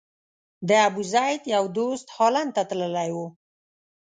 د ابوزید یو دوست هالند ته تللی و.